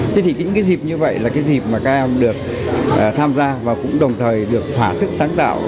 thế thì những cái dịp như vậy là cái dịp mà các em được tham gia và cũng đồng thời được thỏa sức sáng tạo